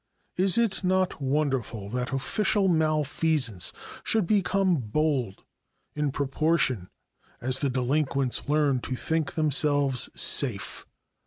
It is not wonderful that official malfeasance should become bold in proportion as the delinquents learn to think themselves safe.